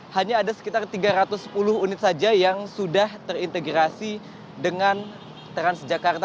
hanya ada sekitar tiga ratus sepuluh unit saja yang sudah terintegrasi dengan transjakarta